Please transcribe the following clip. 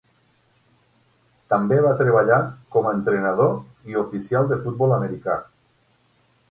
També va treballar com a entrenador i oficial de futbol americà.